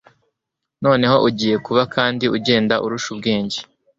Noneho ugiye kuba kandi ugenda urusha ubwenge